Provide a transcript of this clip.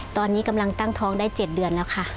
ตอนนี้กำลังตั้งท้องได้๗เดือนแล้วค่ะ